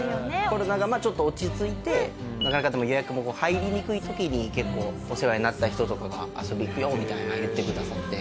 コロナがまあちょっと落ち着いてなかなかでも予約も入りにくい時に結構お世話になった人とかが「遊びに行くよ」みたいな言ってくださって。